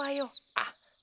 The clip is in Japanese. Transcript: あっ。